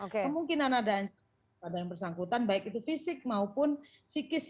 kemungkinan ada yang bersangkutan baik itu fisik maupun psikis